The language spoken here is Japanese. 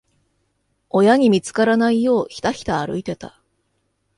親に見つからないよう、ひたひた歩いてた。